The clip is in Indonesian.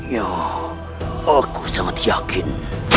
ya aku sangat yakin